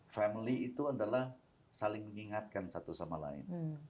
family itu adalah saling mengingatkan satu sama lain